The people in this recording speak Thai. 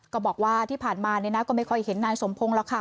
ก็บอกว่าที่ผ่านมาก็ไม่ค่อยเห็นนายสมพงศ์หรอกค่ะ